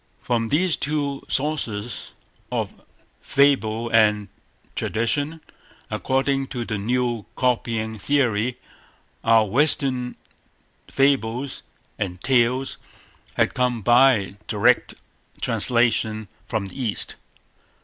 From these two sources of fable and tradition, according to the new copying theory, our Western fables and tales had come by direct translation from the East.